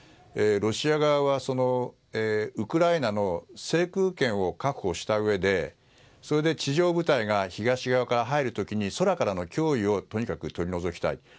ロシア側はウクライナの制空権を確保したうえで地上部隊が東側から入る時に空からの脅威をとにかく取り除きたい。